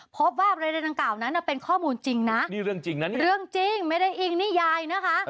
พบว่าในหนังกล่าวนั้นเป็นข้อมูลจริงนะเรื่องจริงไม่ได้อิงนิยายนะคะ